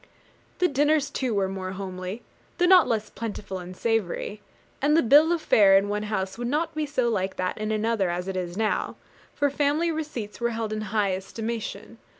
The dinners too were more homely, though not less plentiful and savoury; and the bill of fare in one house would not be so like that in another as it is now, for family receipts were held in high estimation.